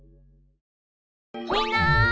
みんな！